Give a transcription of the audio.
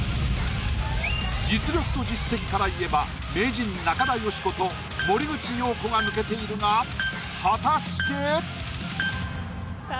実力と実績から言えば名人中田喜子と森口瑤子が抜けているが果たして⁉さあ